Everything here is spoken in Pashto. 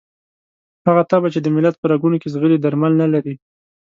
هغه تبه چې د ملت په رګونو کې ځغلي درمل نه لري.